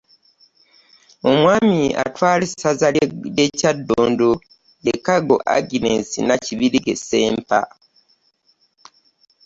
Omwami atwala essaza lye Kyaddondo ye Kaggo Agnes Nakibirige Ssempa.